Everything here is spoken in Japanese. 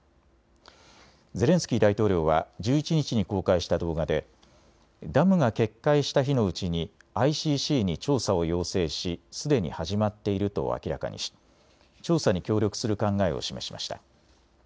ゼレンスキー大統領は１１日に公開した動画でダムが決壊した日のうちにＩＣＣに調査を要請しすでに始まっていると明らかにし、調査に協力する考えを示しました。